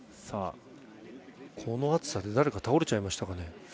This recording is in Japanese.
この暑さで誰か倒れちゃいましたかね。